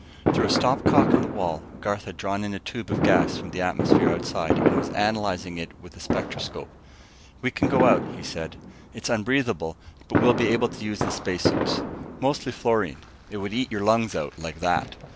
Through a stop cock in the wall, Garth had drawn in a tube of gas from the atmosphere outside, and was analyzing it with a spectroscope. "We can go out," he said. "It's unbreathable, but we'll be able to use the space suits. Mostly fluorine. It would eat your lungs out like that!"